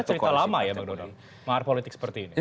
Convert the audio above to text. tapi ini sebenarnya cerita lama ya bang donal mahar politik seperti ini